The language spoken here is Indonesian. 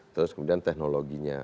terus kemudian teknologinya